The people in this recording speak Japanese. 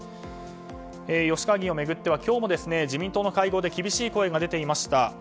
吉川議員を巡っては今日も自民党の会合で厳しい声が出ていました。